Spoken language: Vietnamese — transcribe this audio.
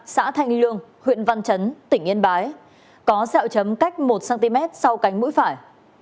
xã thanh lương huyện văn chấn tỉnh yên bái có xeo chấm cách một cm sau cánh mũi phải